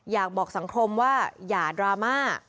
อยากบอกสังคมว่าอย่าดราม่า